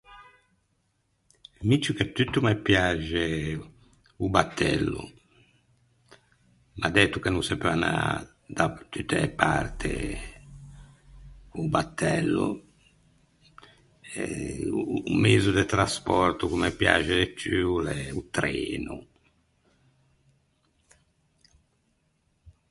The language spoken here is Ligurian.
Mi ciù che tutto me piaxe o batello, ma dæto che no se peu anâ da tutte e parte co-o batello, eh o mezo de traspòrto ch’o me piaxe de ciù o l’é o treno.